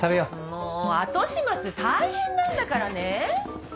もう後始末大変なんだからね。